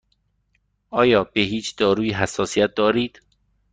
آیا به هیچ دارویی حساسیت دارید؟